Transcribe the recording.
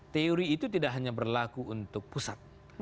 teori itu tidak hanya berlaku untuk pusat